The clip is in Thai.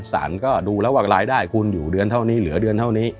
สารก็ดูแล้วว่ารายได้คุณอยู่เดือนเท่านี้เหลือเดือนเท่านี้